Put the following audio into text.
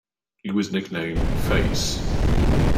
He was nicknamed 'Face'.